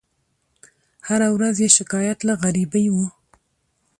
هره ورځ یې شکایت له غریبۍ وو